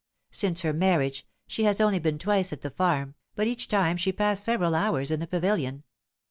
Since her marriage, she has only been twice at the farm, but each time she passed several hours in the pavilion.